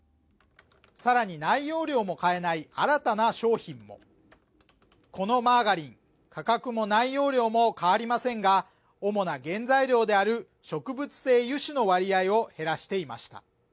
さらに内容量も変えない新たな商品もこのマーガリン価格も内容量も変わりませんが主な原材料である植物性油脂の割合を減らしていました